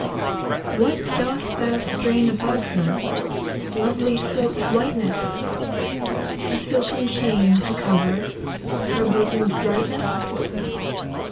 What dost thou strain above her Lovely throat's whiteness ? A silken chain, to cover Her bosom's brightness